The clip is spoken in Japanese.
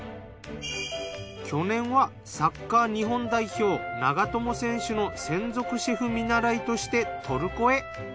去年はサッカー日本代表長友選手の専属シェフ見習いとしてトルコへ。